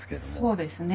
そうですね。